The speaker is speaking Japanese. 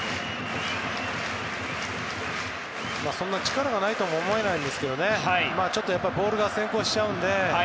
そんな力がないとも思えないんですがちょっとボールが先行しちゃうので。